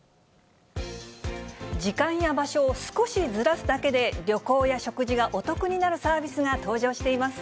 時間や場所を少しずらすだけで、旅行や食事がお得になるサービスが登場しています。